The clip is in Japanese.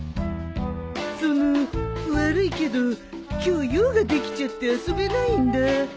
その悪いけど今日用ができちゃって遊べないんだ。